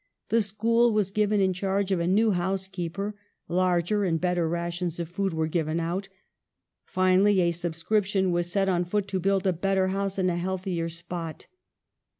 The school was given in charge to a new housekeeper ; larger and better rations of food were given out. Finally a subscription was set on foot to build a better house in a healthier spot.